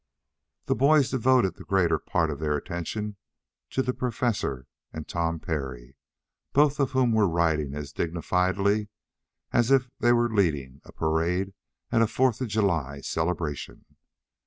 The boys devoted the greater part of their attention to the Professor and Tom Parry, both of whom were riding as dignifiedly as if they were leading a parade at a Fourth of July celebration.